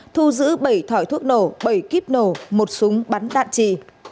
thu giữ bảy thỏi thuốc nổ bảy kíp nổ một súng bắn đạn trì